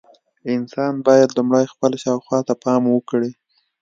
انسان باید لومړی خپل شاوخوا ته پام وکړي.